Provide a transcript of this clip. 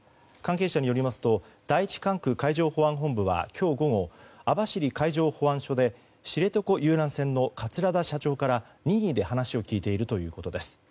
関係者によりますと第１管区海上保安本部は今日午後、網走海上保安署で知床遊覧船の桂田社長から、任意で話を聞いているということです。